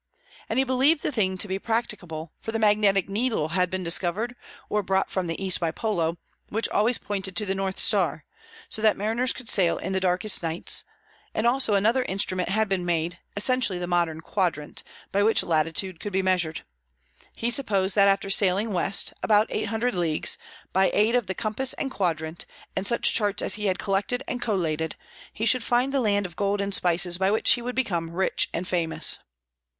And he believed the thing to be practicable, for the magnetic needle had been discovered, or brought from the East by Polo, which always pointed to the North Star, so that mariners could sail in the darkest nights; and also another instrument had been made, essentially the modern quadrant, by which latitude could be measured. He supposed that after sailing west, about eight hundred leagues, by the aid of compass and quadrant, and such charts as he had collected and collated, he should find the land of gold and spices by which he would become rich and famous.